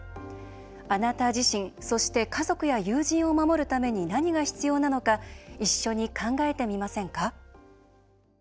あなた自身、そして家族や友人を守るために何が必要なのか一緒に考えてみませんか。